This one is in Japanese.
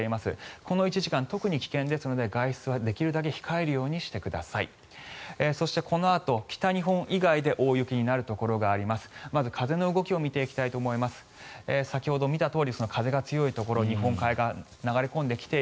この１時間、特に危険ですので外出はできるだけ控えるようにしてください。